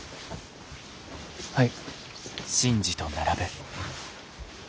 はい。